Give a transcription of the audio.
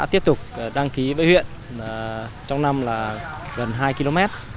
tiếp tục đăng ký với huyện trong năm là gần hai km